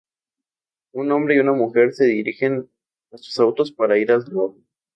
Un hombre y una mujer se dirigen a sus autos para ir al trabajo.